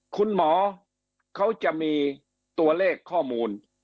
คุณหมอเขาจะมีตัวเลขข้อมูล